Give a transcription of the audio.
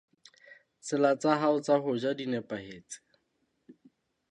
Tsela tsa hao tsa ho ja di nepahetse?